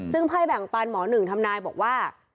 ซึ่งไพ่แบ่งปันหมอหนึ่งทำนายบอกว่า